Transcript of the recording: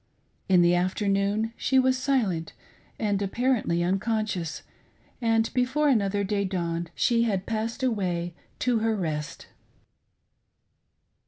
In the afternoon she was sil'ent and apparently uncon^ scious, and before another day dawned she had passed away to her rest.